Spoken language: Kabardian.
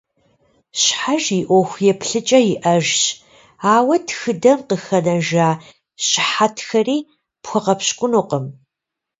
Щхьэж и ӏуэху еплъыкӏэ иӏэжщ, ауэ тхыдэм къыхэнэжа щыхьэтхэри пхуэгъэпщкӏунукъым.